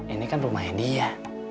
ini kan rumahnya dia